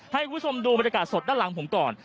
ให้ผู้ชมดูประกาศสดด้านหลังผมก่อน